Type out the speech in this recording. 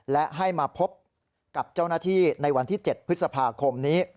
และให้มาพบกับเจ้าหน้าที่ในวันที่๗พฤษภาคมนี้